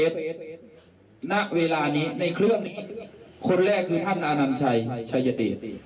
ก็นั่นบางทีหน้าเวลานี้ในเครื่องนี้คนแรกคือท่านอาโน้มชัยชายเตฌ